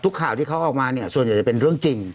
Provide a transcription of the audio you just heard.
ข่าวที่เขาออกมาเนี่ยส่วนใหญ่จะเป็นเรื่องจริง